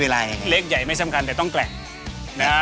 ห้องนี้เล็กเหล็กใหญ่ไม่สำคัญแต่ต้องแกร่ง